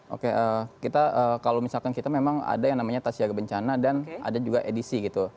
oke kita kalau misalkan kita memang ada yang namanya tas siaga bencana dan ada juga edisi gitu